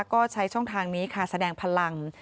ก็ใช้ช่องทางนี้ค่ะแสดงพลัง